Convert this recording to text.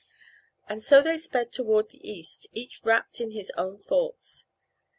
And so they sped toward the east, each wrapped in his own thoughts.